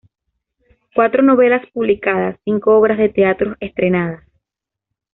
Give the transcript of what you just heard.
Cuatro novelas publicadas, cinco obras de teatro estrenadas.